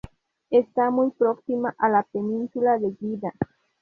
Está muy próxima a la península de Guida.